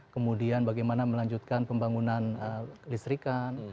kemudian bagaimana melanjutkan pembangunan listrikan